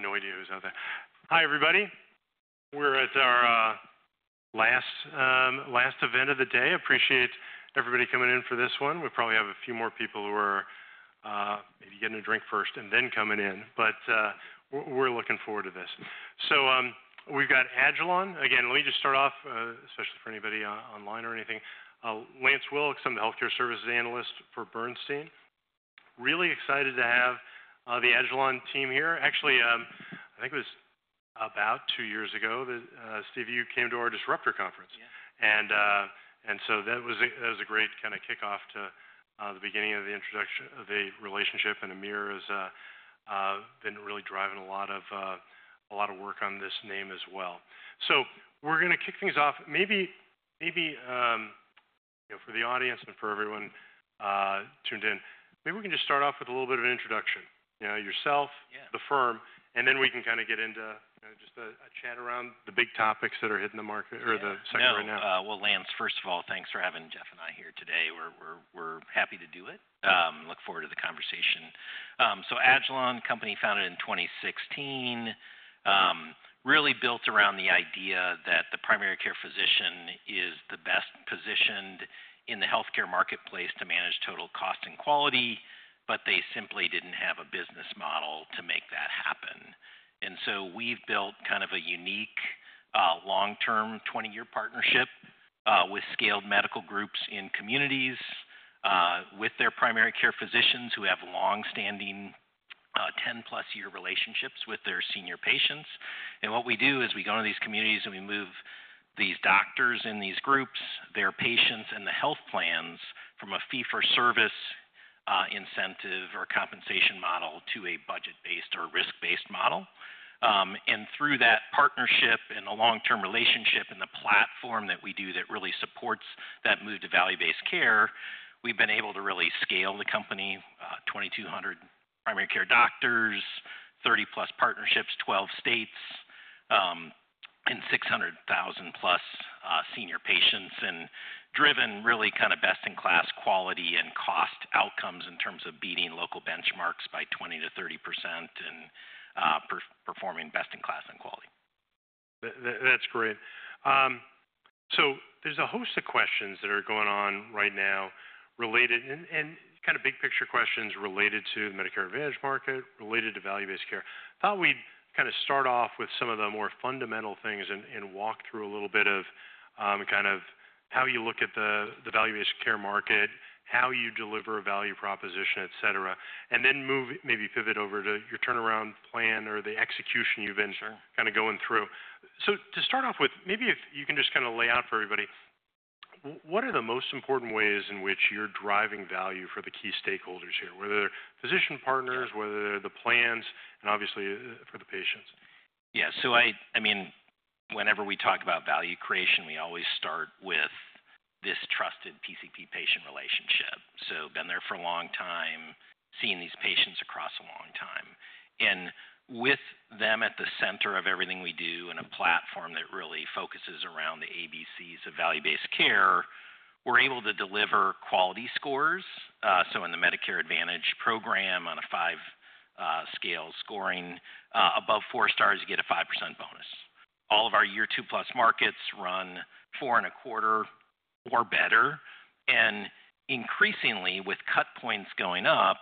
No idea who's out there. Hi, everybody. We're at our last, last event of the day. Appreciate everybody coming in for this one. We probably have a few more people who are maybe getting a drink first and then coming in, but we're looking forward to this. We've got agilon. Again, let me just start off, especially for anybody online or anything. Lance Wilk, some of the Healthcare Services Analyst for Bernstein. Really excited to have the agilon team here. Actually, I think it was about two years ago that, Steve, you came to our disruptor conference. Yeah. That was a great kind of kickoff to the beginning of the introduction of the relationship. Amir has been really driving a lot of work on this name as well. We are gonna kick things off. Maybe, you know, for the audience and for everyone tuned in, maybe we can just start off with a little bit of introduction, you know, yourself. Yeah. The firm, and then we can kind of get into, you know, just a chat around the big topics that are hitting the market or the sector right now. Yeah. Lance, first of all, thanks for having Jeff and I here today. We're happy to do it. Yeah. look forward to the conversation. so agilon health company founded in 2016. Yeah. Really built around the idea that the Primary Care Physician is the best positioned in the healthcare marketplace to manage total cost and quality, but they simply did not have a business model to make that happen. We have built kind of a unique, long-term 20-year partnership with scaled medical groups in communities, with their Primary Care Physicians who have longstanding, 10-plus year relationships with their senior patients. What we do is we go into these communities and we move these doctors in these groups, their patients, and the health plans from a fee-for-service incentive or compensation model to a budget-based or risk-based model. And through that partnership and a long-term relationship and the platform that we do that really supports that move to value-based care, we've been able to really scale the company, 2,200 Primary Care Doctors, 30-plus partnerships, 12 states, and 600,000-plus senior patients, and driven really kind of best-in-class quality and cost outcomes in terms of beating local benchmarks by 20-30% and, per-performing best-in-class in quality. That's great. There's a host of questions that are going on right now related and kind of big picture questions related to the Medicare Advantage market, related to value-based care. I thought we'd kind of start off with some of the more fundamental things and walk through a little bit of kind of how you look at the value-based care market, how you deliver a value proposition, etc., and then maybe pivot over to your turnaround plan or the execution you've been. Sure. Kind of going through. To start off with, maybe if you can just kind of lay out for everybody, what are the most important ways in which you're driving value for the key stakeholders here, whether they're physician partners, whether they're the plans, and obviously, for the patients? Yeah. I mean, whenever we talk about value creation, we always start with this trusted PCP patient relationship. Been there for a long time, seeing these patients across a long time. With them at the center of everything we do and a platform that really focuses around the ABCs of value-based care, we're able to deliver quality scores. Yeah. In the Medicare Advantage program, on a five-scale scoring, above four stars, you get a 5% bonus. All of our year-two-plus markets run four and a quarter or better. Increasingly, with cut points going up,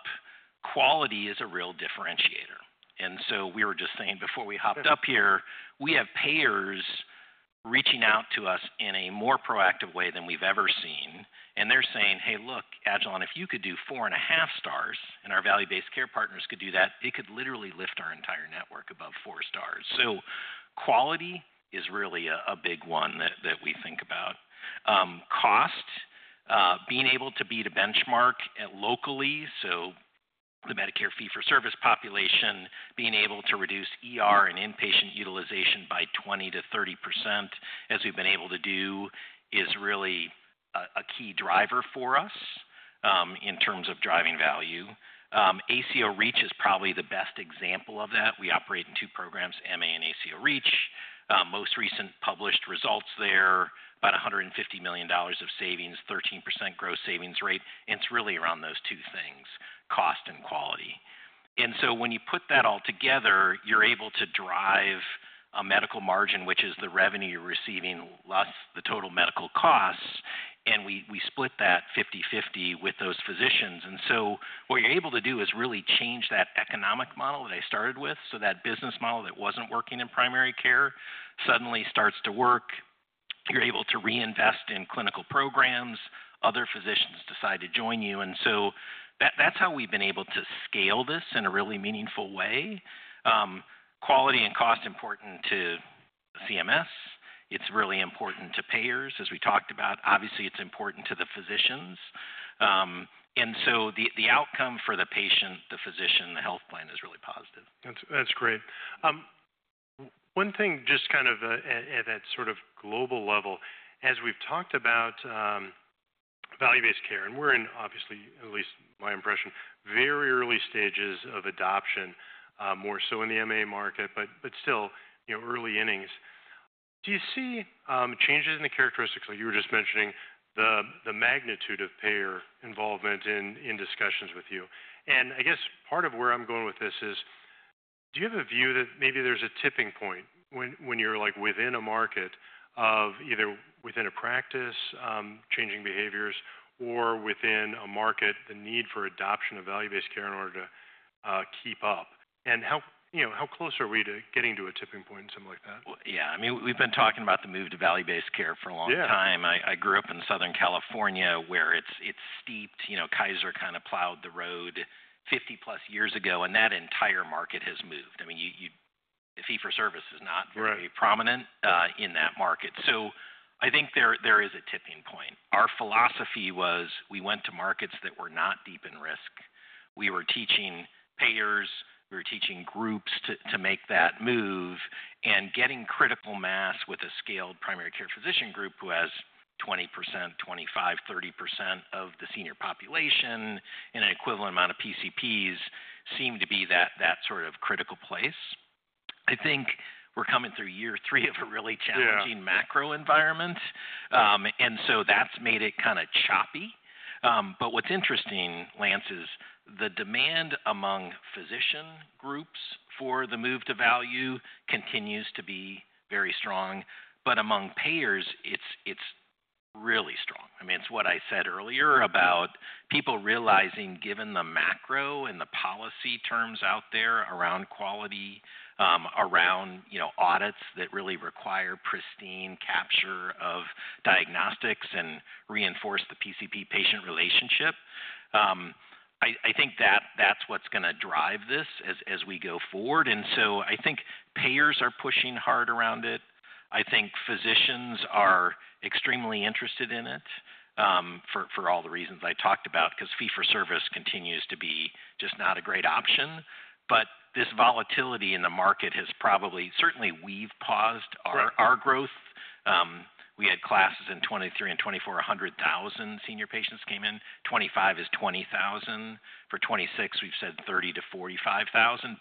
quality is a real differentiator. We were just saying before we hopped up here, we have payers reaching out to us in a more proactive way than we have ever seen. They are saying, "Hey, look, agilon, if you could do four and a half stars and our value-based care partners could do that, it could literally lift our entire network above four stars." Quality is really a big one that we think about. Cost, being able to beat a benchmark locally, so the Medicare Fee-for-Service population, being able to reduce inpatient utilization by 20-30%, as we've been able to do, is really a key driver for us, in terms of driving value. ACO Reach is probably the best example of that. We operate in two programs, MA and ACO Reach. Most recent published results there, about $150 million of savings, 13% gross savings rate. It is really around those two things, cost and quality. When you put that all together, you're able to drive a medical margin, which is the revenue you're receiving less the total medical costs. We split that 50/50 with those physicians. What you're able to do is really change that economic model that I started with. That business model that wasn't working in primary care suddenly starts to work. You're able to reinvest in clinical programs. Other physicians decide to join you. That's how we've been able to scale this in a really meaningful way. Quality and cost are important to CMS. It's really important to payers, as we talked about. Obviously, it's important to the physicians. The outcome for the patient, the physician, the health plan is really positive. That's great. One thing just kind of, at that sort of global level, as we've talked about Value-Based Care, and we're in obviously, at least my impression, very early stages of adoption, more so in the MA market, but still, you know, early innings. Do you see changes in the characteristics? You were just mentioning the magnitude of payer involvement in discussions with you. I guess part of where I'm going with this is, do you have a view that maybe there's a tipping point when you're like within a market, or either within a practice, changing behaviors, or within a market, the need for adoption of Value-Based Care in order to keep up? How close are we to getting to a tipping point in something like that? Yeah. I mean, we've been talking about the move to value-based care for a long time. Yeah. I grew up in Southern California where it's, it's steeped. You know, Kaiser kind of plowed the road 50-plus years ago, and that entire market has moved. I mean, you, you, the fee-for-service is not very prominent. Right. In that market. I think there is a tipping point. Our philosophy was we went to markets that were not deep in risk. We were teaching payers. We were teaching groups to make that move. Getting critical mass with a scaled Primary Care Physician group who has 20%, 25%, 30% of the senior population and an equivalent amount of PCPs seemed to be that sort of critical place. I think we're coming through Year Three of a really challenging macro environment. Yeah. And so that's made it kind of choppy. What is interesting, Lance, is the demand among physician groups for the move to value continues to be very strong. Among payers, it's really strong. I mean, it's what I said earlier about people realizing, given the macro and the policy terms out there around quality, around, you know, audits that really require pristine capture of diagnostics and reinforce the PCP-patient relationship. I think that that's what's gonna drive this as we go forward. I think payers are pushing hard around it. I think physicians are extremely interested in it, for all the reasons I talked about, 'cause fee-for-service continues to be just not a great option. This volatility in the market has probably certainly we've paused our growth. Right. We had classes in 2023 and 2024, 100,000 senior patients came in. 2025 is 20,000. For 2026, we have said 30,000-45,000.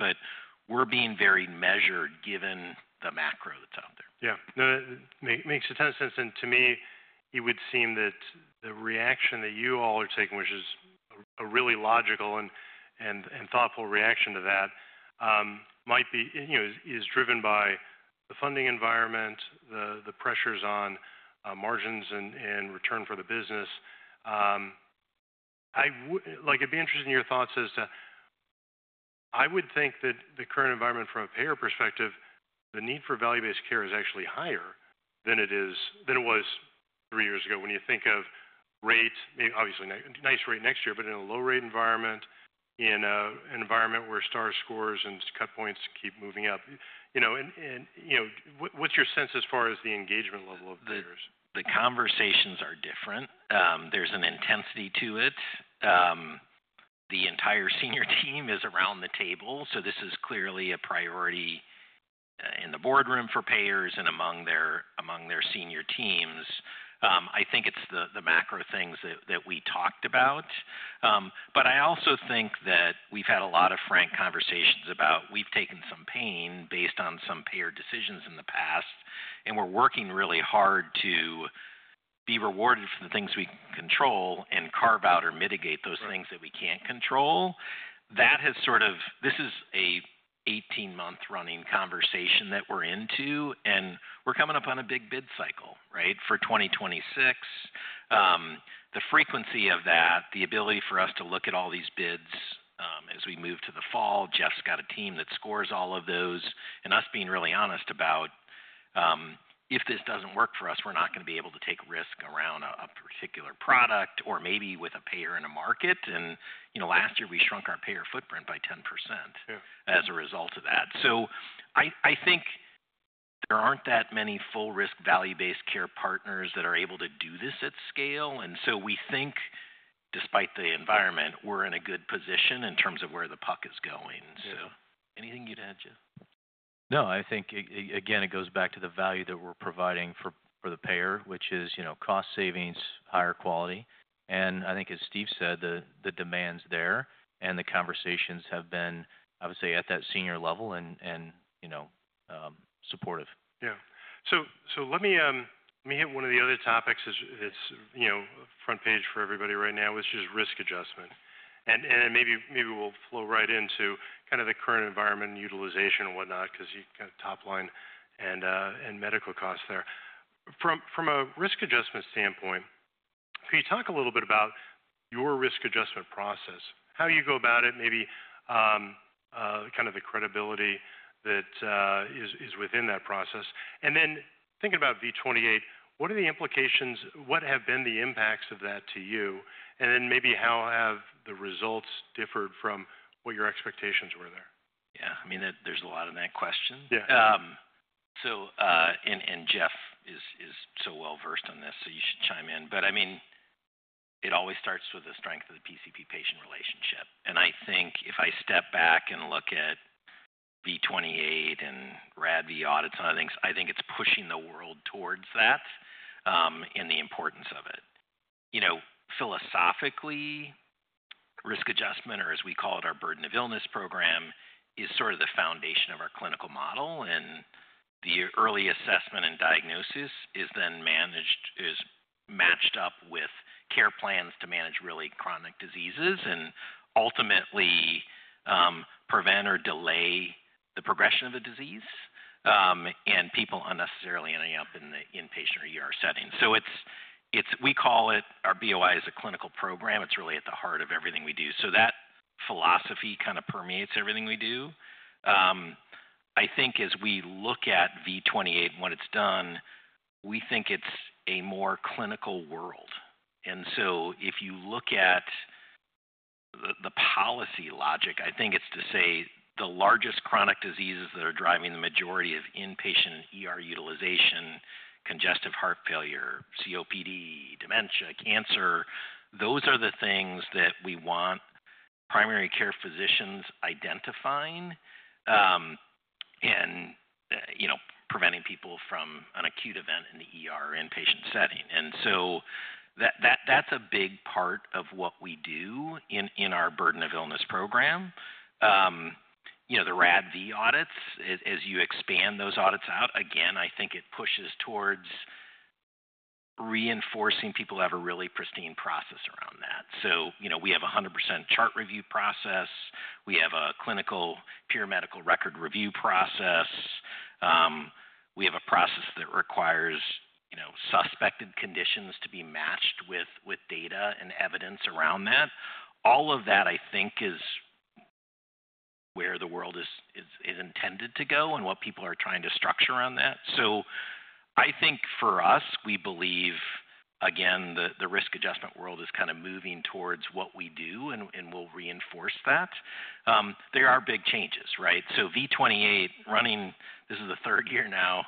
We are being very measured given the macro that is out there. Yeah. No, that makes a ton of sense. To me, it would seem that the reaction that you all are taking, which is a really logical and thoughtful reaction to that, might be, you know, is driven by the funding environment, the pressures on margins and return for the business. Like, it'd be interesting your thoughts as to, I would think that the current environment from a payer perspective, the need for Value-Based Care is actually higher than it was three years ago when you think of rate, maybe obviously nice rate next year, but in a low-rate environment, in an environment where star scores and cut points keep moving up. You know, and, you know, what's your sense as far as the engagement level of payers? The conversations are different. There's an intensity to it. The entire senior team is around the table. This is clearly a priority in the boardroom for payers and among their senior teams. I think it's the macro things that we talked about. I also think that we've had a lot of frank conversations about we've taken some pain based on some payer decisions in the past, and we're working really hard to be rewarded for the things we control and carve out or mitigate those things that we can't control. Yeah. That has sort of, this is an 18-month running conversation that we're into. We're coming up on a big bid cycle, right, for 2026. The frequency of that, the ability for us to look at all these bids, as we move to the fall, Jeff's got a team that scores all of those. Us being really honest about, if this doesn't work for us, we're not gonna be able to take risk around a particular product or maybe with a payer in a market. You know, last year we shrunk our payer footprint by 10%. Yeah. As a result of that. I think there aren't that many full-risk Value-Based Care partners that are able to do this at scale. We think, despite the environment, we're in a good position in terms of where the puck is going. Yeah. So. Anything you'd add, Jeff? No, I think, again, it goes back to the value that we're providing for the payer, which is, you know, cost savings, higher quality. I think, as Steve said, the demand is there and the conversations have been, I would say, at that senior level and, you know, supportive. Yeah. Let me hit one of the other topics as it's front page for everybody right now, which is Risk Adjustment. And then maybe we'll flow right into kind of the current environment and utilization and whatnot, 'cause you kind of top line and medical costs there. From a Risk Adjustment standpoint, can you talk a little bit about your Risk Adjustment process, how you go about it, maybe kind of the credibility that is within that process? And then thinking about V28, what are the implications? What have been the impacts of that to you? And then maybe how have the results differed from what your expectations were there? Yeah. I mean, there's a lot in that question. Yeah. And Jeff is so well-versed on this, so you should chime in. I mean, it always starts with the strength of the PCP-patient relationship. I think if I step back and look at V28 and RADV audits and other things, I think it is pushing the world towards that, and the importance of it. You know, philosophically, risk adjustment, or as we call it, our Burden of Illness program, is sort of the foundation of our clinical model. The early assessment and diagnosis is then matched up with care plans to manage really chronic diseases and ultimately prevent or delay the progression of a disease, and people unnecessarily ending up in the inpatient setting. We call it our BOI as a clinical program. It is really at the heart of everything we do. That philosophy kind of permeates everything we do. Yeah. I think as we look at V28 and what it's done, we think it's a more clinical world. If you look at the policy logic, I think it's to say the largest chronic diseases that are driving the majority of inpatient and utilization, congestive heart failure, COPD, dementia, cancer, those are the things that we want primary care physicians identifying. Yeah. And, you know, preventing people from an acute event in the or inpatient setting. That, that's a big part of what we do in our burden of illness program. You know, the RADV audits, as you expand those audits out, again, I think it pushes towards reinforcing people have a really pristine process around that. You know, we have a 100% chart review process. We have a clinical, pure medical record review process. We have a process that requires, you know, suspected conditions to be matched with data and evidence around that. All of that, I think, is where the world is intended to go and what people are trying to structure around that. I think for us, we believe, again, the Risk Adjustment world is kind of moving towards what we do, and we'll reinforce that. There are big changes, right? V28 running, this is the third year now,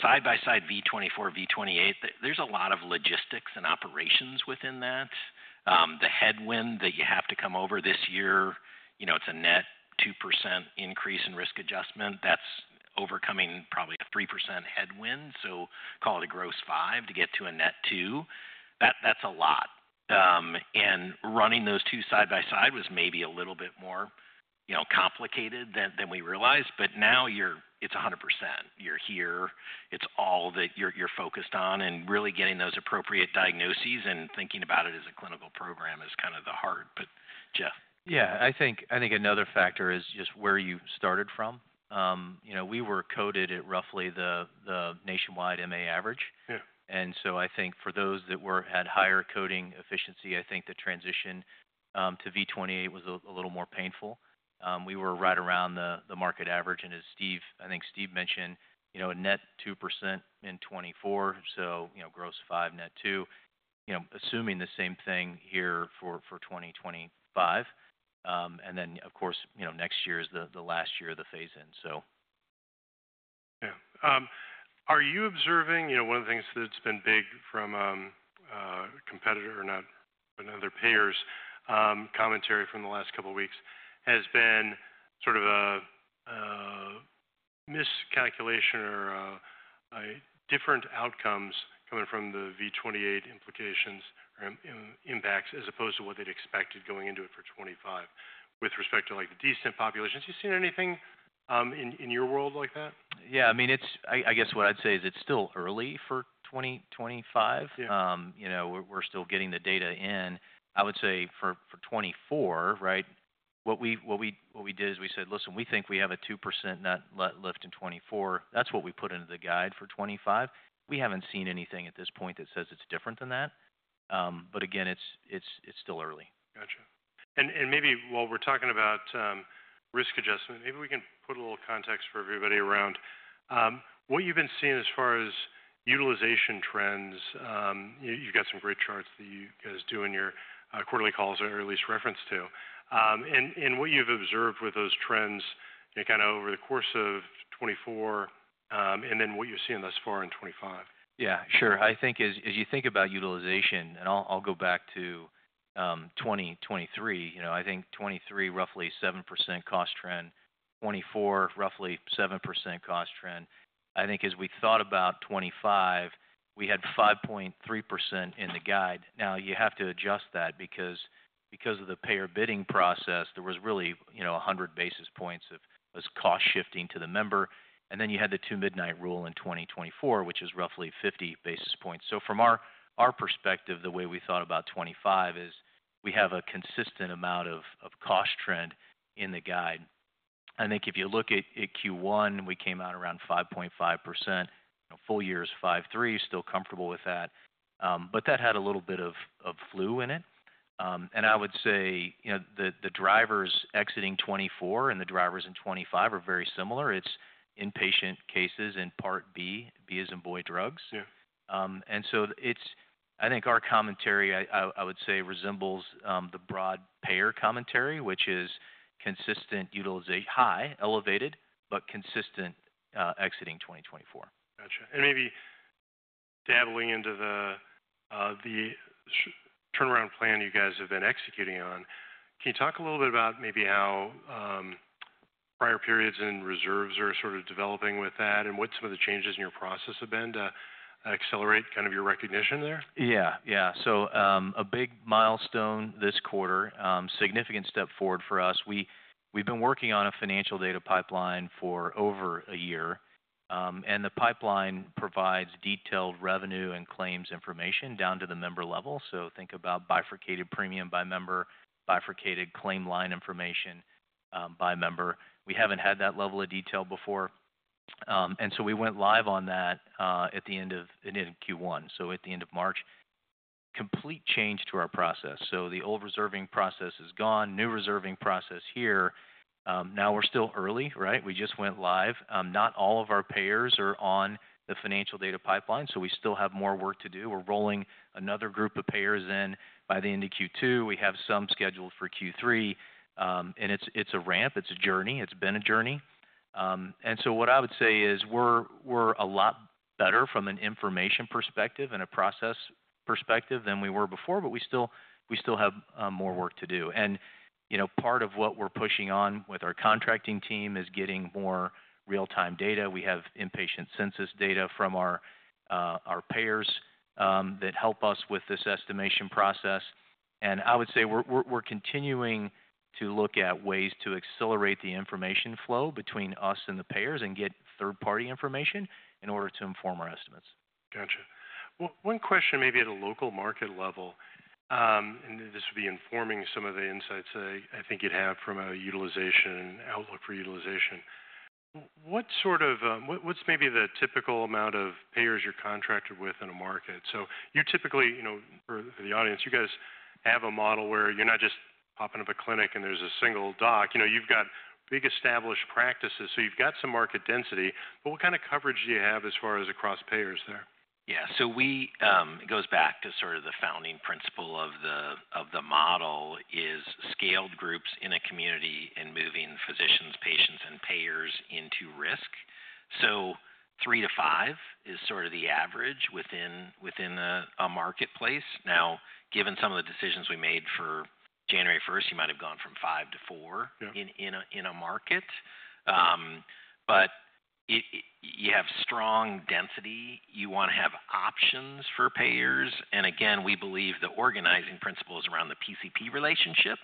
side by side V24, V28, there is a lot of logistics and operations within that. The headwind that you have to come over this year, you know, it is a net 2% increase in Risk Adjustment. That is overcoming probably a 3% headwind. Call it a gross 5% to get to a net 2%. That is a lot. Running those two side by side was maybe a little bit more, you know, complicated than we realized. Now you are, it is 100%. You are here. It is all that you are focused on. Really getting those appropriate diagnoses and thinking about it as a clinical program is kind of the heart. But, Jeff. Yeah. I think, I think another factor is just where you started from. You know, we were coded at roughly the nationwide MA average. Yeah. I think for those that had higher coding efficiency, I think the transition to V28 was a little more painful. We were right around the market average. As Steve, I think Steve mentioned, a net 2% in 2024, so, you know, gross 5%, net 2%, assuming the same thing here for 2025. Of course, next year is the last year of the phase in. Yeah. Are you observing, you know, one of the things that's been big from, competitor or not, but other payers, commentary from the last couple of weeks has been sort of a miscalculation or different outcomes coming from the V28 implications or impacts as opposed to what they'd expected going into it for 2025 with respect to like the Descent Populations. You seen anything in your world like that? Yeah. I mean, it's, I guess what I'd say is it's still early for 2025. Yeah. You know, we're still getting the data in. I would say for '24, right, what we did is we said, "Listen, we think we have a 2% net lift in '24." That's what we put into the guide for '25. We haven't seen anything at this point that says it's different than that. Again, it's still early. Gotcha. And maybe while we're talking about Risk Adjustment, maybe we can put a little context for everybody around what you've been seeing as far as utilization trends. You, you've got some great charts that you guys do in your quarterly calls or at least reference to. And what you've observed with those trends, you know, kind of over the course of 2024, and then what you're seeing thus far in 2025. Yeah. Sure. I think as you think about utilization, and I'll go back to 2023, you know, I think 2023, roughly 7% cost trend, 2024, roughly 7% cost trend. I think as we thought about 2025, we had 5.3% in the guide. Now you have to adjust that because, because of the payer bidding process, there was really, you know, 100 basis points of cost shifting to the member. And then you had the Two Midnight Rule in 2024, which is roughly 50 basis points. From our perspective, the way we thought about 2025 is we have a consistent amount of cost trend in the guide. I think if you look at Q1, we came out around 5.5%. You know, full year is 5.3%. You're still comfortable with that. That had a little bit of flu in it. I would say, you know, the drivers exiting 2024 and the drivers in 2025 are very similar. It's inpatient cases and Part B, B as in boy, drugs. Yeah. and so it's, I think our commentary, I would say resembles the broad payer commentary, which is consistent utilization, high, elevated, but consistent, exiting 2024. Gotcha. Maybe dabbling into the turnaround plan you guys have been executing on, can you talk a little bit about maybe how prior periods and reserves are sort of developing with that and what some of the changes in your process have been to accelerate kind of your recognition there? Yeah. Yeah. A big milestone this quarter, significant step forward for us. We've been working on a Financial Data Pipeline for over a year, and the pipeline provides detailed revenue and claims information down to the member level. Think about bifurcated premium by member, bifurcated claim line information by member. We haven't had that level of detail before, and we went live on that at the end of Q1, so at the end of March. Complete change to our process. The old reserving process is gone, new reserving process here. Now we're still early, right? We just went live. Not all of our payers are on the Financial Data Pipeline, so we still have more work to do. We're rolling another group of payers in by the end of Q2. We have some scheduled for Q3, and it's a ramp. It's a journey. It's been a journey. What I would say is we're a lot better from an information perspective and a process perspective than we were before, but we still have more work to do. You know, part of what we're pushing on with our contracting team is getting more real-time data. We have inpatient census data from our payers that help us with this estimation process. I would say we're continuing to look at ways to accelerate the information flow between us and the payers and get third-party information in order to inform our estimates. Gotcha. One question maybe at a local market level, and this would be informing some of the insights that I, I think you'd have from a utilization outlook for utilization. What sort of, what's maybe the typical amount of payers you're contracted with in a market? You typically, you know, for the audience, you guys have a model where you're not just popping up a clinic and there's a single doc. You know, you've got big established practices, so you've got some market density, but what kind of coverage do you have as far as across payers there? Yeah. So we, it goes back to sort of the founding principle of the model is scaled groups in a community and moving physicians, patients, and payers into risk. Three to five is sort of the average within a marketplace. Now, given some of the decisions we made for January 1, you might have gone from five to four. Yeah. In a market, you have strong density. You want to have options for payers. You have the organizing principle around the PCP relationship.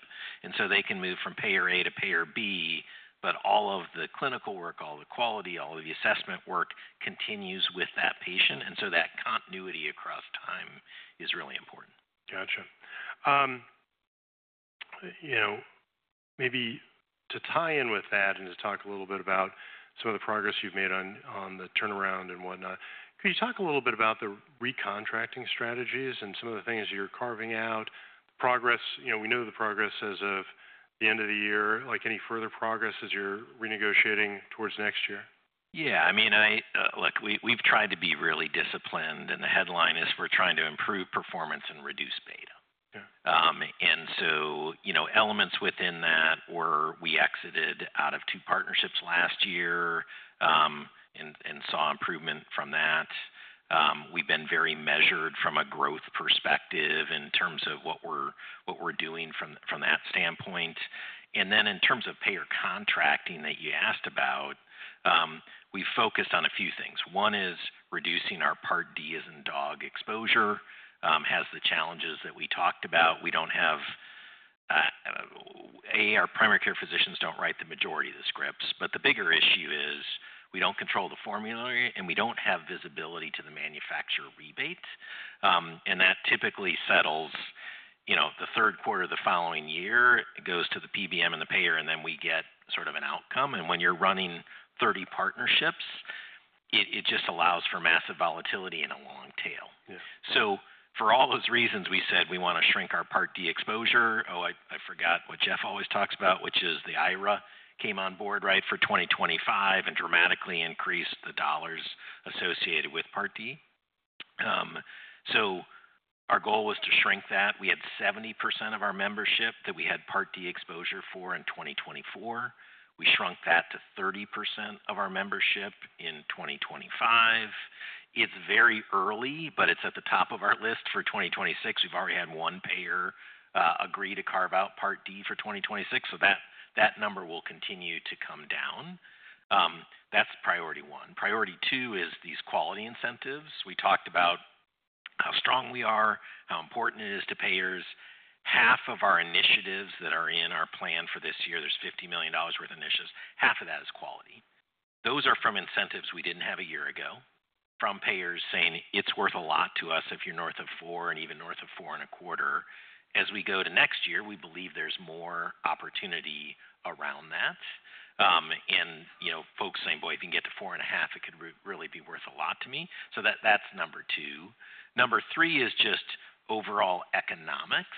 They can move from Payer A to Payer B, but all of the clinical work, all the quality, all of the assessment work continues with that patient. That continuity across time is really important. Gotcha. You know, maybe to tie in with that and to talk a little bit about some of the progress you've made on the turnaround and whatnot, could you talk a little bit about the recontracting strategies and some of the things you're carving out progress? You know, we know the progress as of the end of the year. Like any further progress as you're renegotiating towards next year? Yeah. I mean, I, look, we've tried to be really disciplined and the headline is we're trying to improve performance and reduce beta. Yeah. And so, you know, elements within that where we exited out of two partnerships last year, and saw improvement from that. We've been very measured from a growth perspective in terms of what we're doing from that standpoint. In terms of payer contracting that you asked about, we focused on a few things. One is reducing our Part D as in dog exposure, has the challenges that we talked about. We don't have, our Primary Care Physicians don't write the majority of the scripts, but the bigger issue is we don't control the formulary and we don't have visibility to the manufacturer rebate. That typically settles, you know, the Third Quarter of the following year, it goes to the PBM and the payer, and then we get sort of an outcome. When you're running 30 partnerships, it just allows for massive volatility and a long tail. Yeah. For all those reasons, we said we want to shrink our Part D exposure. Oh, I forgot what Jeff always talks about, which is the IRA came on board, right, for 2025 and dramatically increased the dollars associated with Part D. Our goal was to shrink that. We had 70% of our membership that we had Part D exposure for in 2024. We shrunk that to 30% of our membership in 2025. It is very early, but it is at the top of our list for 2026. We have already had one payer agree to carve out Part D for 2026. That number will continue to come down. That is Priority One. Priority Two is these quality incentives. We talked about how strong we are, how important it is to payers. Half of our initiatives that are in our plan for this year, there is $50 million worth of initiatives. Half of that is quality. Those are from incentives we did not have a year ago from payers saying it is worth a lot to us if you are north of four and even north of four and a quarter. As we go to next year, we believe there is more opportunity around that. And, you know, folks saying, "Boy, if you can get to four and a half, it could really be worth a lot to me." That is Number Two. Number Three is just overall economics,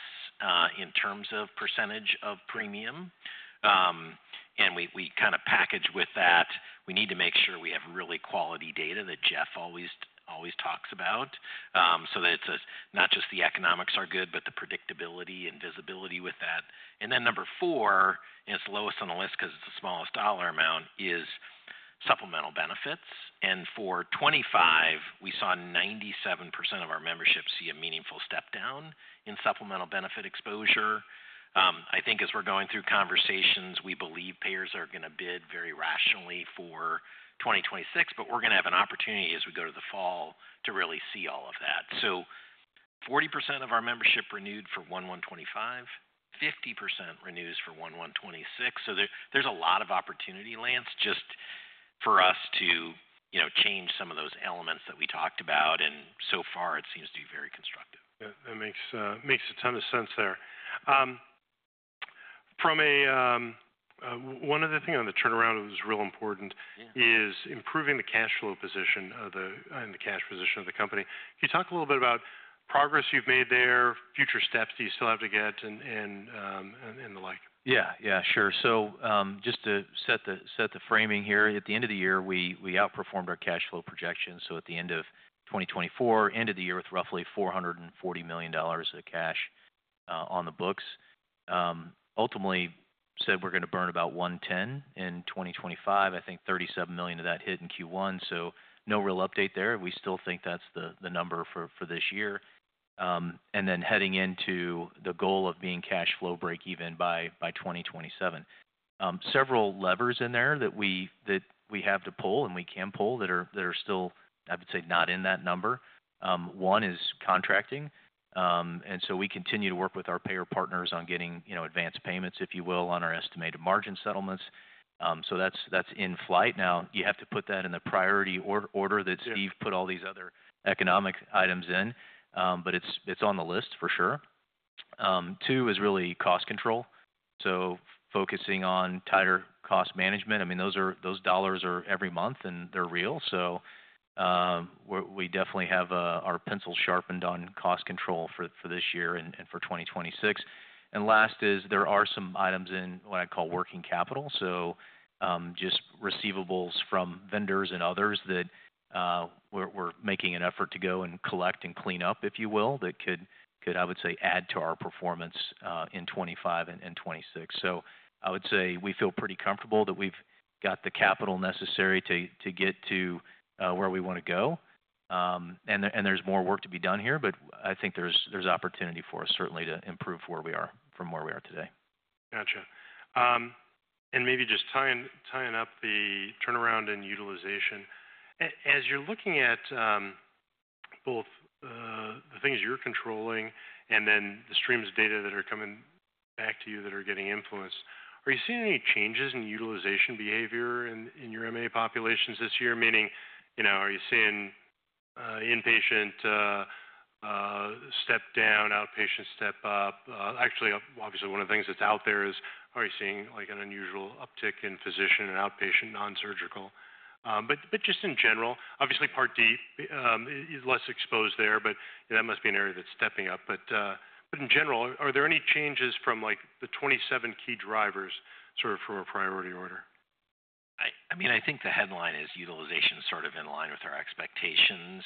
in terms of percentage of premium. We kind of package with that. We need to make sure we have really quality data that Jeff always, always talks about, so that it is not just the economics are good, but the predictability and visibility with that. Number Four, and it is lowest on the list because it is the smallest dollar amount, is Supplemental Benefits. For 2025, we saw 97% of our membership see a meaningful step down in Supplemental Benefit exposure. I think as we're going through conversations, we believe payers are going to bid very rationally for 2026, but we're going to have an opportunity as we go to the fall to really see all of that. Forty percent of our membership renewed for 2025, 50% renews for 2026. There is a lot of opportunity, Lance, just for us to, you know, change some of those elements that we talked about. So far it seems to be very constructive. That makes a ton of sense there. From a, one of the things on the turnaround that was real important is improving the cash flow position of the, and the cash position of the company. Can you talk a little bit about progress you've made there, future steps that you still have to get and the like? Yeah. Yeah. Sure. Just to set the framing here, at the end of the year, we outperformed our cash flow projections. At the end of 2024, ended the year with roughly $440 million of cash on the books. Ultimately said we're going to burn about $110 million in 2025. I think $37 million of that hit in Q1. No real update there. We still think that's the number for this year. Heading into the goal of being cash flow break even by 2027. Several levers in there that we have to pull and we can pull that are still, I would say, not in that number. One is contracting. We continue to work with our payer partners on getting, you know, advanced payments, if you will, on our estimated margin settlements. That's in flight. Now you have to put that in the priority order that Steve put all these other economic items in, but it's on the list for sure. Two is really Cost Control. Focusing on tighter cost management. I mean, those dollars are every month and they're real. We definitely have our pencils sharpened on Cost Control for this year and for 2026. Last, there are some items in what I call Working Capital, just receivables from vendors and others that we're making an effort to go and collect and clean up, if you will, that could, I would say, add to our performance in 2025 and 2026. I would say we feel pretty comfortable that we've got the capital necessary to get to where we want to go. There is more work to be done here, but I think there is opportunity for us certainly to improve where we are from where we are today. Gotcha. And maybe just tying, tying up the turnaround and utilization, as you're looking at both the things you're controlling and then the streams of data that are coming back to you that are getting influenced, are you seeing any changes in utilization behavior in your MA populations this year? Meaning, you know, are you seeing inpatient step down, outpatient step up? Actually, obviously one of the things that's out there is, are you seeing like an unusual uptick in physician and outpatient non-surgical? But just in general, obviously Part D is less exposed there, but that must be an area that's stepping up. But in general, are there any changes from like the 27 key drivers sort of from a priority order? I mean, I think the headline is utilization sort of in line with our expectations.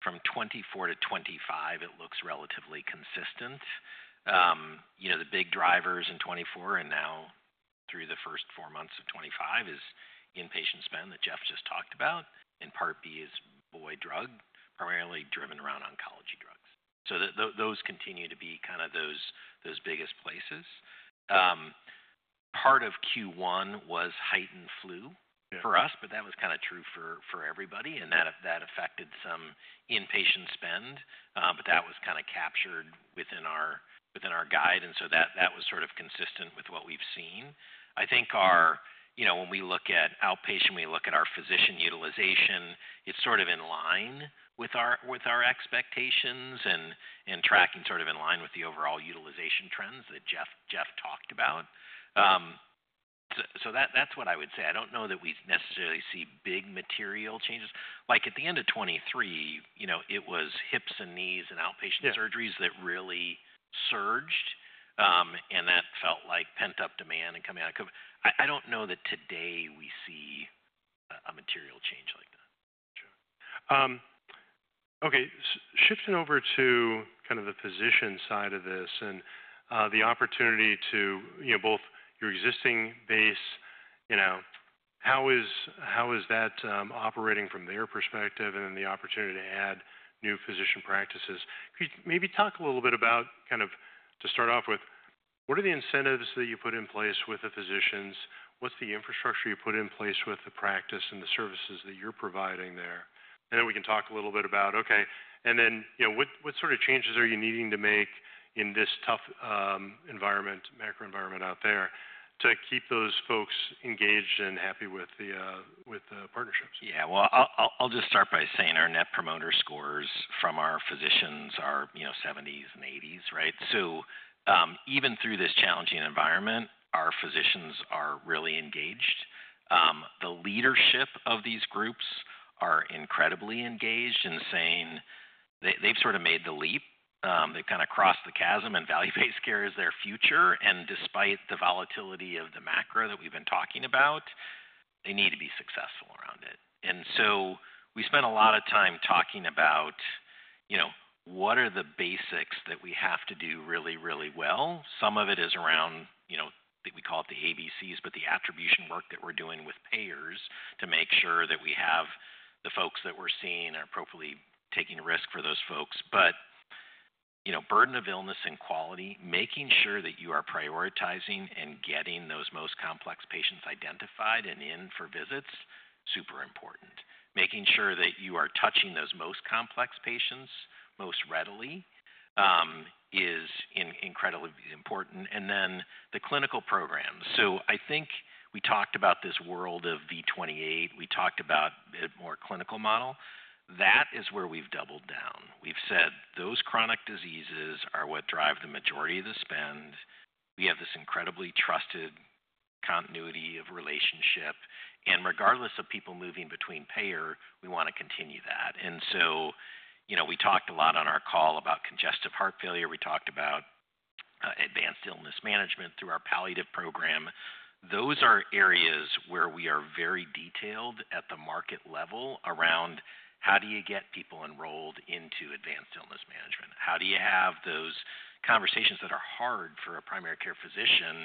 From 2024 to 2025, it looks relatively consistent. You know, the big drivers in 2024 and now through the first four months of 2025 is Inpatient Spend that Jeff just talked about. And Part B is boy drug, primarily driven around Oncology Drugs. Those continue to be kind of those biggest places. Part of Q1 was heightened flu for us, but that was kind of true for everybody. That affected some Inpatient Spend, but that was kind of captured within our guide. That was sort of consistent with what we've seen. I think our, you know, when we look at outpatient, we look at our physician utilization, it's sort of in line with our expectations and tracking sort of in line with the overall utilization trends that Jeff talked about. That, that's what I would say. I don't know that we necessarily see big material changes. Like at the end of 2023, you know, it was hips and knees and outpatient surgeries that really surged. That felt like pent-up demand and coming out of COVID. I, I don't know that today we see a material change like that. Gotcha. Okay. Shifting over to kind of the physician side of this and, the opportunity to, you know, both your existing base, you know, how is, how is that, operating from their perspective and then the opportunity to add new physician practices? Could you maybe talk a little bit about kind of to start off with, what are the incentives that you put in place with the physicians? What's the infrastructure you put in place with the practice and the services that you're providing there? And then we can talk a little bit about, okay, and then, you know, what, what sort of changes are you needing to make in this tough, environment, macro environment out there to keep those folks engaged and happy with the, with the partnerships? Yeah. I'll just start by saying our net promoter scores from our physicians are, you know, 70s and 80s, right? Even through this challenging environment, our physicians are really engaged. The leadership of these groups are incredibly engaged in saying they, they've sort of made the leap. They've kind of crossed the chasm and Value-Based Care is their future. Despite the volatility of the macro that we've been talking about, they need to be successful around it. We spent a lot of time talking about, you know, what are the basics that we have to do really, really well? Some of it is around, you know, we call it the ABCs, but the Attribution work that we're doing with payers to make sure that we have the folks that we're seeing are appropriately taking risk for those folks. You know, Burden of Illness and quality, making sure that you are prioritizing and getting those most complex patients identified and in for visits, super important. Making sure that you are touching those most complex patients most readily is incredibly important. The clinical programs, I think we talked about this world of V28. We talked about a more clinical model. That is where we have doubled down. We have said those chronic diseases are what drive the majority of the spend. We have this incredibly trusted continuity of relationship. Regardless of people moving between payer, we want to continue that. You know, we talked a lot on our call about Congestive Heart Failure. We talked about Advanced Illness Management through our Palliative Program. Those are areas where we are very detailed at the market level around how do you get people enrolled into Advanced Illness Management? How do you have those conversations that are hard for a Primary Care Physician,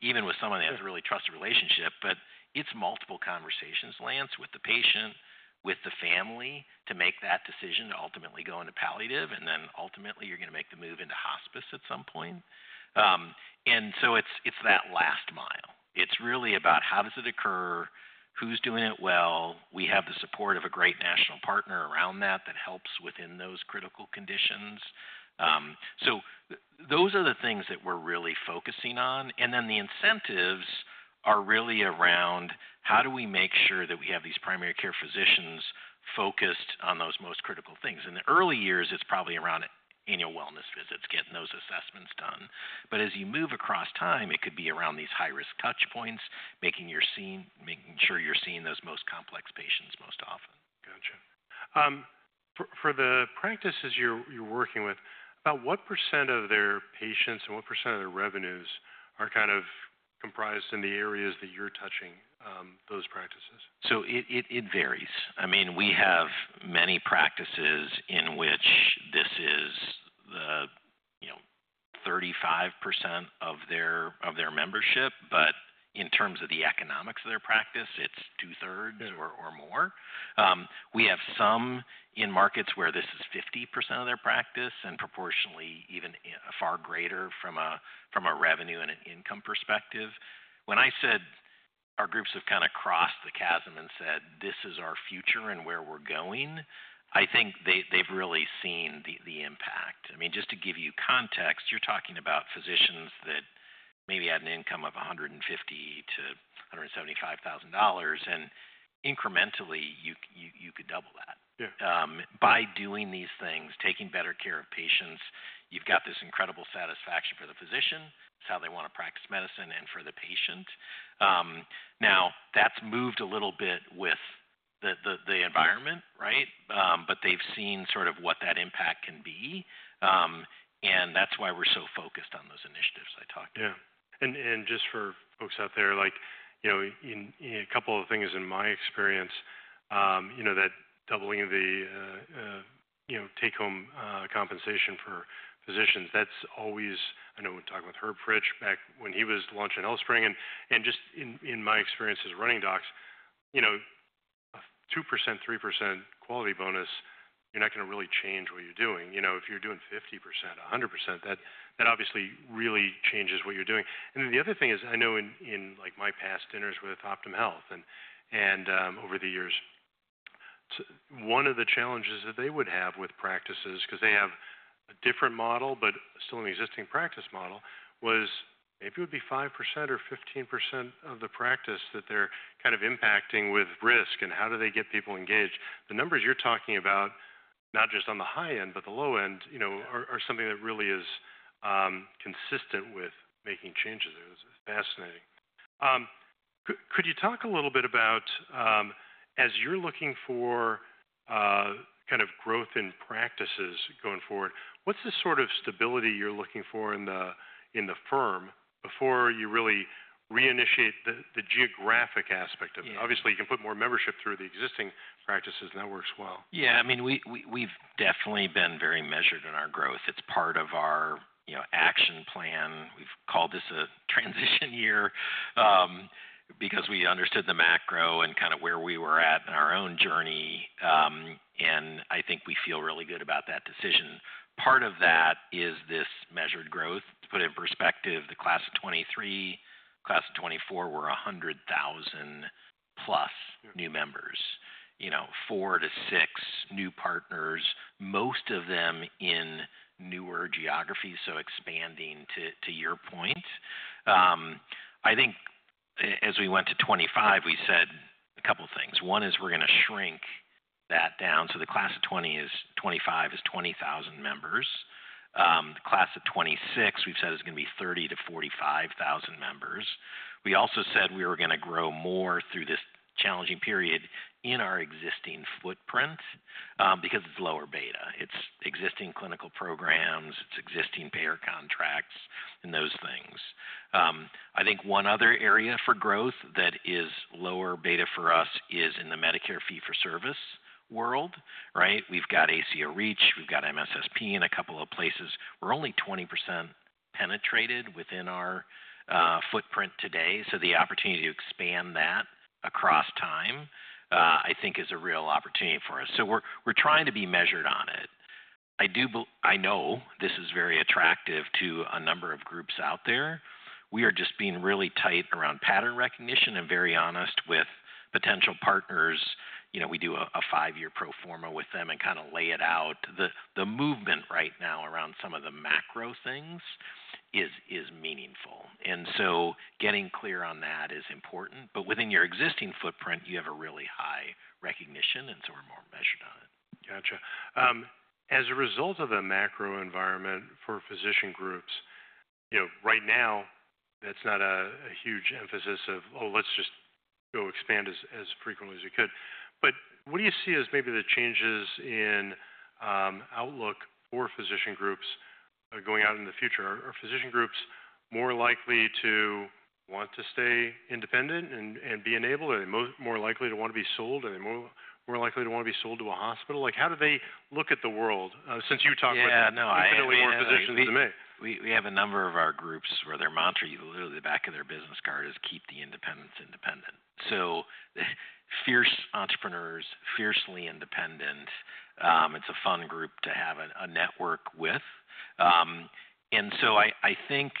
even with someone that has a really trusted relationship? But it's multiple conversations, Lance, with the patient, with the family to make that decision to ultimately go into palliative. And then ultimately you're going to make the move into Hospice at some point. It is that last mile. It's really about how does it occur, who's doing it well? We have the support of a great national partner around that that helps within those critical conditions. Those are the things that we're really focusing on. The incentives are really around how do we make sure that we have these Primary Care Physicians focused on those most critical things. In the early years, it's probably around Annual Wellness Visits, getting those assessments done. As you move across time, it could be around these High-Risk Touch Points, making your scene, making sure you're seeing those most complex patients most often. Gotcha. For the practices you're working with, about what percent of their patients and what percent of their revenues are kind of comprised in the areas that you're touching, those practices? It varies. I mean, we have many practices in which this is the, you know, 35% of their membership. In terms of the economics of their practice, it's two-thirds or more. We have some in markets where this is 50% of their practice and proportionally even far greater from a revenue and an income perspective. When I said our groups have kind of crossed the chasm and said this is our future and where we're going, I think they've really seen the impact. I mean, just to give you context, you're talking about physicians that maybe had an income of $150,000 to $175,000 and incrementally you could double that. Yeah. By doing these things, taking better care of patients, you've got this incredible satisfaction for the physician, it's how they want to practice medicine and for the patient. Now that's moved a little bit with the environment, right? But they've seen sort of what that impact can be. That's why we're so focused on those initiatives I talked about. Yeah. And just for folks out there, like, you know, in a couple of things in my experience, you know, that doubling the, you know, take home, compensation for physicians, that's always, I know we were talking with Herb Fritch back when he was launching HealthSpring and just in my experience as running docs, you know, a 2%-3% quality bonus, you're not going to really change what you're doing. You know, if you're doing 50%, 100%, that obviously really changes what you're doing. The other thing is I know in, in like my past dinners with Optum Health and, and, over the years, one of the challenges that they would have with practices, because they have a different model, but still an existing practice model, was maybe it would be 5% or 15% of the practice that they're kind of impacting with risk and how do they get people engaged? The numbers you're talking about, not just on the high end, but the low end, you know, are, are something that really is consistent with making changes. It was fascinating. Could you talk a little bit about, as you're looking for, kind of growth in practices going forward, what's the sort of stability you're looking for in the, in the firm before you really reinitiate the, the geographic aspect of it? Obviously, you can put more membership through the existing practices and that works well. Yeah. I mean, we've definitely been very measured in our growth. It's part of our, you know, action plan. We've called this a Transition Year, because we understood the macro and kind of where we were at in our own journey. I think we feel really good about that decision. Part of that is this measured growth. To put it in perspective, the Class of 2023, Class of 2024, we're 100,000 plus new members, four to six new partners, most of them in newer geographies. Expanding to your point. I think as we went to 2025, we said a couple of things. One is we're going to shrink that down. The Class of 2025 is 20,000 members. The Class of 2026 we've said is going to be 30,000-45,000 members. We also said we were going to grow more through this challenging period in our existing footprint, because it's lower beta. It's existing clinical programs, it's existing payer contracts and those things. I think one other area for growth that is lower beta for us is in the Medicare Fee-for-Service world, right? We've got ACO Reach, we've got MSSP in a couple of places. We're only 20% penetrated within our footprint today. The opportunity to expand that across time, I think, is a real opportunity for us. We're trying to be measured on it. I do believe, I know this is very attractive to a number of groups out there. We are just being really tight around pattern recognition and very honest with potential partners. You know, we do a Five-Year Pro Forma with them and kind of lay it out. The movement right now around some of the macro things is meaningful. And so getting clear on that is important. But within your existing footprint, you have a really high recognition and so we're more measured on it. Gotcha. As a result of the macro environment for Physician Groups, you know, right now that's not a huge emphasis of, oh, let's just go expand as frequently as we could. What do you see as maybe the changes in outlook for Physician Groups going out in the future? Are Physician Groups more likely to want to stay independent and be enabled? Are they more likely to want to be sold? Are they more likely to want to be sold to a Hospital? Like how do they look at the world, since you talked about it? Yeah. No, I have a number of our groups where their mantra, literally the back of their business card is Keep the Independence Independent. Fierce entrepreneurs, fiercely independent. It's a fun group to have a network with. I think,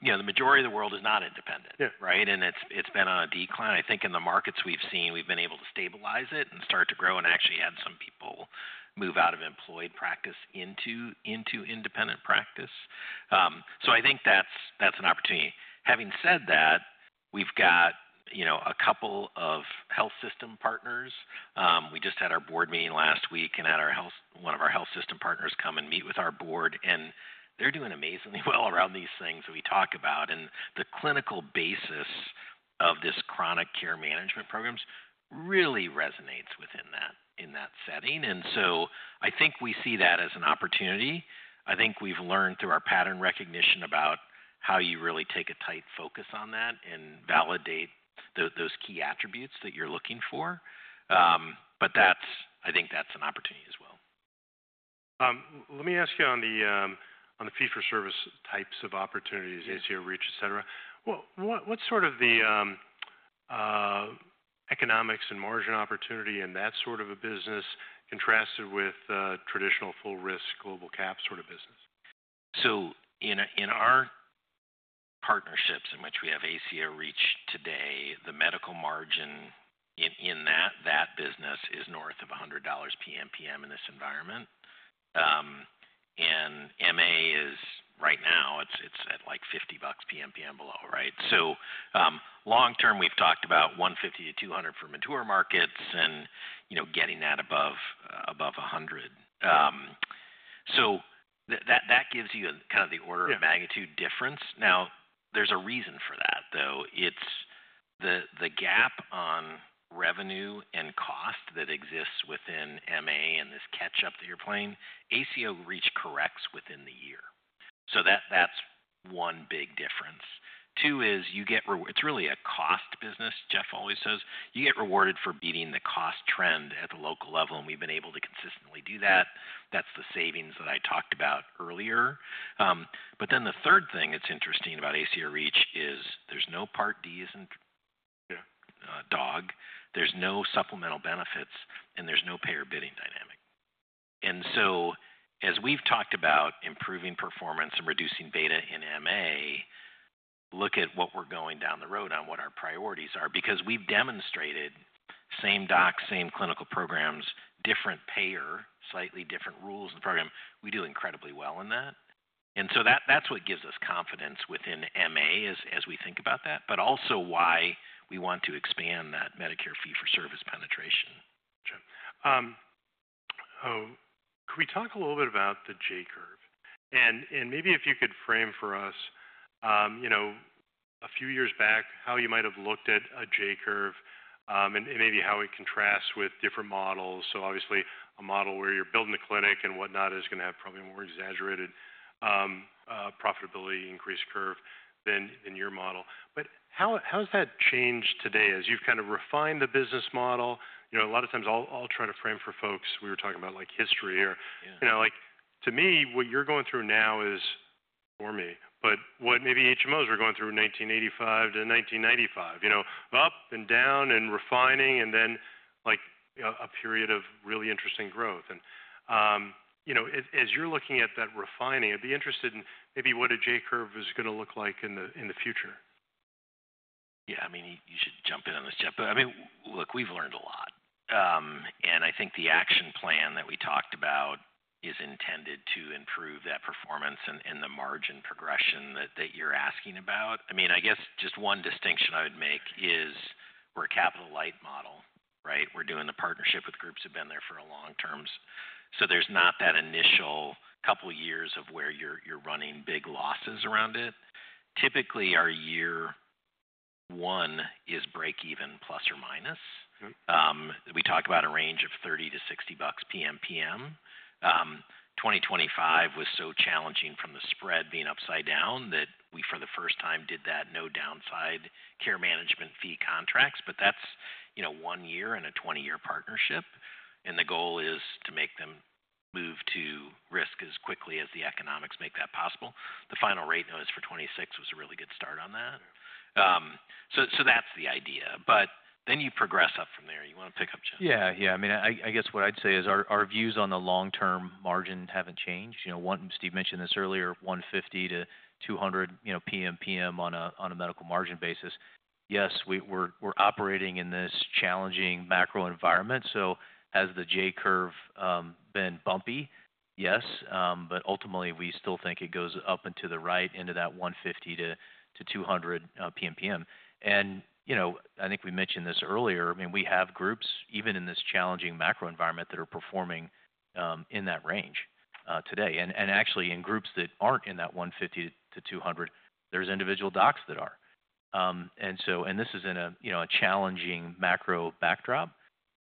you know, the majority of the world is not independent, right? It's been on a decline. I think in the markets we've seen, we've been able to stabilize it and start to grow and actually had some people move out of Employed Practice into Independent Practice. I think that's an opportunity. Having said that, we've got a couple of Health System Partners. We just had our board meeting last week and had one of our Health System Partners come and meet with our board, and they're doing amazingly well around these things that we talk about. The clinical basis of this Chronic Care Management programs really resonates within that, in that setting. I think we see that as an opportunity. I think we've learned through our pattern recognition about how you really take a tight focus on that and validate those key attributes that you're looking for. I think that's an opportunity as well. Let me ask you on the Fee-for-Service types of opportunities, ACO Reach, et cetera. What sort of the economics and Margin Opportunity in that sort of a business contrasted with traditional Full Risk, Global Cap sort of business? In our partnerships in which we have ACO Reach today, the Medical Margin in that business is north of $100 PMPM in this environment. MA is right now, it's at like $50 PMPM below, right? Long term we've talked about $150-$200 for mature markets and, you know, getting that above $100. That gives you kind of the order of magnitude difference. Now, there's a reason for that though. It's the gap on revenue and cost that exists within MA and this catch up that you're playing. ACO Reach corrects within the year. That's one big difference. Two is you get, it's really a cost business. Jeff always says you get rewarded for beating the cost trend at the local level. We've been able to consistently do that. That's the savings that I talked about earlier. But then the third thing that's interesting about ACO Reach is there's no Part D, isn't, dog. There's no Supplemental Benefits and there's no payer bidding dynamic. As we've talked about improving performance and reducing beta in MA, look at what we're going down the road on what our priorities are, because we've demonstrated same docs, same clinical programs, different payer, slightly different rules in the program. We do incredibly well in that. That is what gives us confidence within MA as we think about that, but also why we want to expand that Medicare Fee-for-Service penetration. Gotcha. Oh, could we talk a little bit about the J Curve? And maybe if you could frame for us, you know, a few years back, how you might have looked at a J Curve, and maybe how it contrasts with different models. Obviously a model where you're building the clinic and whatnot is going to have probably a more exaggerated profitability increase curve than your model. How has that changed today as you've kind of refined the business model? You know, a lot of times I'll try to frame for folks, we were talking about like history or, you know, like to me what you're going through now is for me, but what maybe HMOs were going through 1985 to 1995, you know, up and down and refining and then like a period of really interesting growth. You know, as you're looking at that refining, I'd be interested in maybe what a J Curve is going to look like in the future. Yeah. I mean, you should jump in on this, Jeff, but I mean, look, we've learned a lot, and I think the Action Plan that we talked about is intended to improve that performance and the Margin Progression that you're asking about. I mean, I guess just one distinction I would make is we're a Capital Light Model, right? We're doing the partnership with groups who've been there for a long term. So there's not that initial couple of years of where you're running big losses around it. Typically our year one is break even plus or minus. We talk about a range of $30-$60 PMPM. 2025 was so challenging from the spread being upside down that we for the first time did that No Downside Care Management Fee Contracts. But that's, you know, one year in a 20-year partnership. The goal is to make them move to risk as quickly as the economics make that possible. The Final Rate Notice for 2026 was a really good start on that. So, so that's the idea, but then you progress up from there. You want to pick up, Jeff? Yeah. Yeah. I mean, I guess what I'd say is our views on the Long-Term Margin haven't changed. You know, one, Steve mentioned this earlier, $150-$200, you know, PMPM on a Medical Margin basis. Yes, we're operating in this challenging macro environment. Has the J Curve been bumpy? Yes. Ultimately we still think it goes up into the right, into that $150-$200 PMPM. You know, I think we mentioned this earlier. I mean, we have groups even in this challenging macro environment that are performing in that range today. Actually, in groups that aren't in that $150-$200, there's individual docs that are. This is in a, you know, a challenging macro backdrop.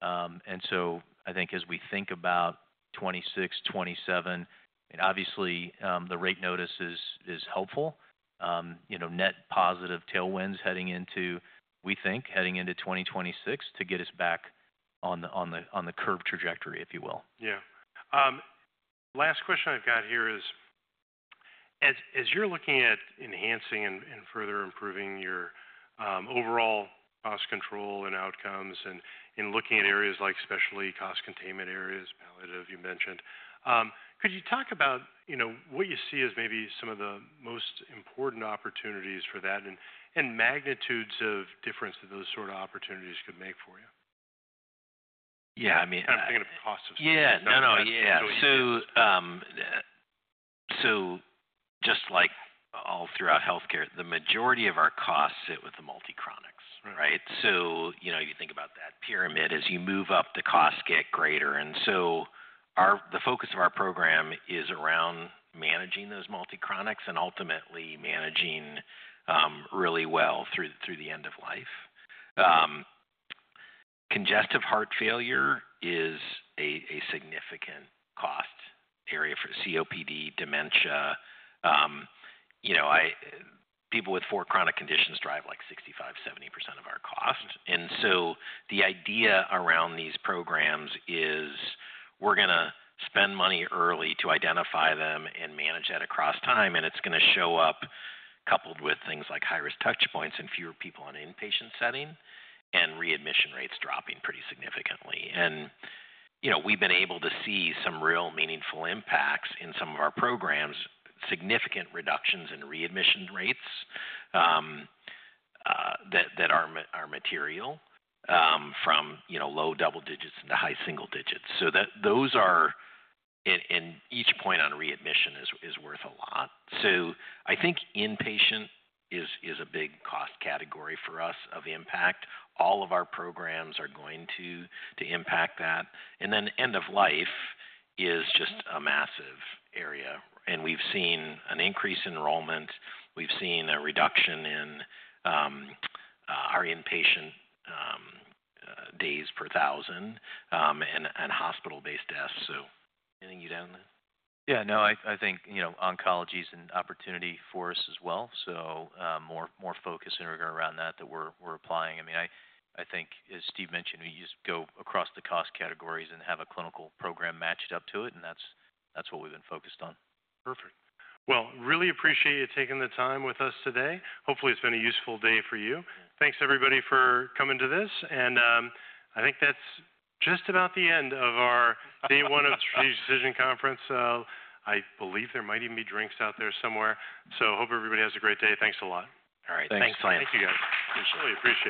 And so I think as we think about 2026, 2027, and obviously, the Rate Notice is helpful, you know, net positive tailwinds heading into, we think heading into 2026 to get us back on the Curve Trajectory, if you will. Yeah. last question I've got here is as you're looking at enhancing and further improving your overall Cost Control and outcomes and looking at areas like Specialty Cost Containment areas, palliative, you mentioned, could you talk about, you know, what you see as maybe some of the most important opportunities for that and magnitudes of difference that those sort of opportunities could make for you? Yeah. I mean. I'm thinking of cost of. Yeah. No, no. Yeah. So, just like all throughout healthcare, the majority of our costs sit with the Multi-Chronics, right? You know, you think about that pyramid, as you move up, the costs get greater. Our, the focus of our program is around managing those Multi-Chronics and ultimately managing really well through the End of Life. Congestive Heart Failure is a significant cost area for COPD, Dementia. You know, people with four chronic conditions drive like 65-70% of our cost. The idea around these programs is we're going to spend money early to identify them and manage that across time. It's going to show up coupled with things like High-Risk Touch Points and fewer people on Inpatient Setting and readmission rates dropping pretty significantly. You know, we've been able to see some real meaningful impacts in some of our programs, significant reductions in readmission rates that are material, from low double digits into high single digits. Each point on readmission is worth a lot. I think Inpatient is a big Cost Category for us of impact. All of our programs are going to impact that. End of Life is just a massive area. We've seen an increase in enrollment. We've seen a reduction in our Inpatient Days Per Thousand and Hospital-Based Deaths. Anything you down there? Yeah. No, I think, you know, Oncology's an opportunity for us as well. More focus in regard around that that we're applying. I mean, I think as Steve mentioned, we just go across the Cost Categories and have a clinical program matched up to it. And that's what we've been focused on. Perfect. Really appreciate you taking the time with us today. Hopefully it's been a useful day for you. Thanks everybody for coming to this. I think that's just about the end of our Day One of Strategic Decision Conference. I believe there might even be drinks out there somewhere. Hope everybody has a great day. Thanks a lot. All right. Thanks, Lance. Thank you guys. I really appreciate it.